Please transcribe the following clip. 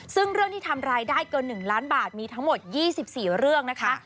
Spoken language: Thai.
ซึ่งเรื่องที่ทำรายได้เกิน๑ล้านบาทมีทั้งหมด๒๔เรื่องนะคะ